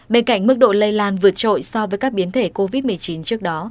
bên cạnh mức độ lây lan vượt trội so với các biến thể covid một mươi chín trước đó